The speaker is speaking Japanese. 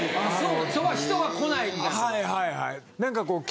そこは人が来ないみたいなとこですか。